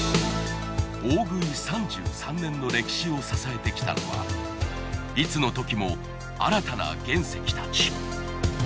大食い３３年の歴史を支えてきたのはいつのときも新たな原石たち。